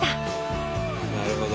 なるほど。